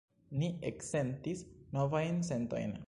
Ni eksentis novajn sentojn.